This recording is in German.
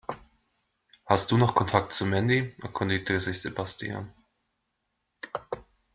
Hast du noch Kontakt zu Mandy?, erkundigte sich Sebastian.